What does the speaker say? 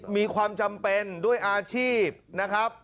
มีความจำเป็นด้วยอาชีพนะครับ